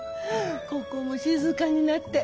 ここも静かになって。